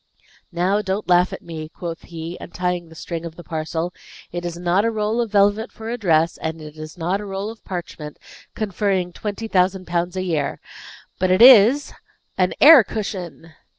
"Now, don't laugh at me," quoth he, untying the string of the parcel. "It is not a roll of velvet for a dress, and it is not a roll of parchment, conferring twenty thousand pounds a year. But it is an air cushion!"